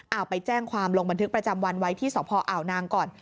เอาไปแจ้งความลงบันทึกประจำวันไว้ที่สพอ่าวนางก่อน